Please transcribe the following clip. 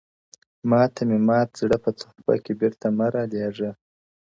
o ماته مي مات زړه په تحفه کي بيرته مه رالېږه؛